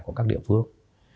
của các địa phương